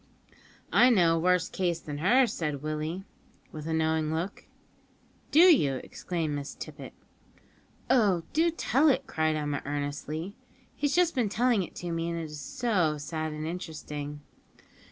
"I know a worse case than hers," said Willie, with a knowing look. "Do you?" exclaimed Miss Tippet. "Oh! do tell it," cried Emma earnestly; "he's just been telling it to me, and it is so sad and interesting."